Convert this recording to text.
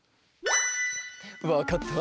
わかった？